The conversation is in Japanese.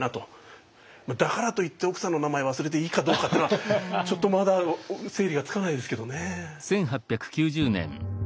だからといって奥さんの名前忘れていいかどうかっていうのはちょっとまだ整理がつかないですけどね。